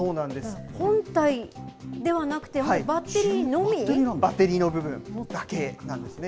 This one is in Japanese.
本体ではなくてバッテリーの部分だけなんですね。